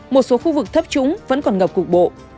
một số khu vực thấp trúng vẫn còn ngập cục bộ